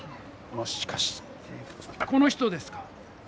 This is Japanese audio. もしかしてこの人ですか？